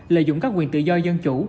lợi dụng các quyền tự do dân chủ